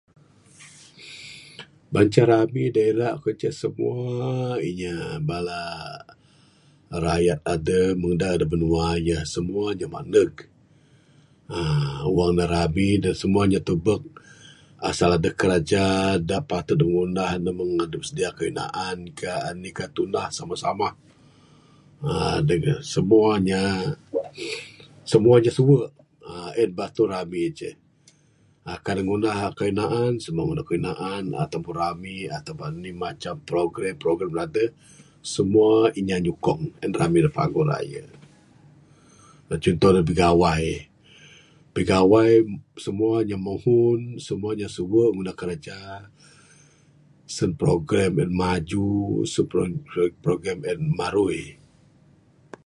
Banca rami da ira ku sien ceh semua inya bala rayat adeh muda da binua yeh. Semua nya maneg aaa wang ne rami ne semua inya tubek asal adeh kraja da patut ngunah ne meng adep sedia kayuh naan kah anih kah tunah samah-samah, aaa dengan semua nya semua nya suwe aaa en batul rami ceh. aaa kan ne ngunah kayuh naan, ataupun rami ataupun anih macam program-program da adeh, semua inya nyukong rami da paguh raye. aaa chunto ne bigawai, aaa bigawai semua nya muhun, semua nya suwe ngunah kraja. Sen program en maju, sen prog ... prog ... program en marui.